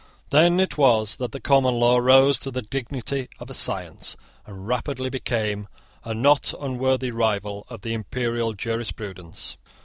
Then it was that the common law rose to the dignity of a science, and rapidly became a not unworthy rival of the imperial jurisprudence.